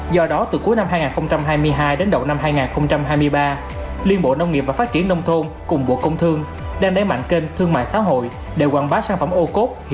do đó từ cuối năm hai nghìn hai mươi hai đến đầu năm hai nghìn hai mươi ba liên bộ nông nghiệp và phát triển nông thôn cùng bộ công thương đang đẩy mạnh kênh thương mại xã hội